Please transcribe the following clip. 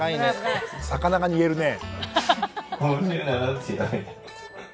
魚が煮えるね。